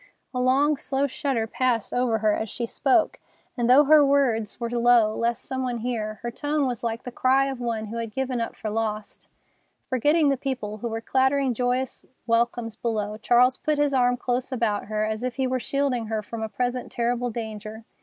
'" A long, slow shudder passed over her as she spoke, and though her words were low, lest some one hear, her tone was like the cry of one who had given up for lost. Forgetting the people who were clattering joyous welcomes below, Charles put his arm close about her, as if he were shielding her from a present terrible danger.